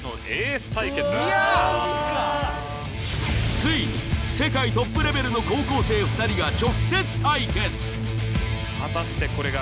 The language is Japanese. ついに世界トップレベルの高校生２人が直接対決。